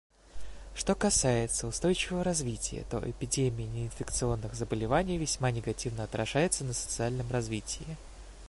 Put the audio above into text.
Что касается устойчивого развития, то эпидемия неинфекционных заболеваний весьма негативно отражается на социальном развитии.